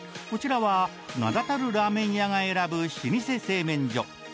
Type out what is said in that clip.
こちらは名だたるラーメン屋が選ぶ老舗製麺所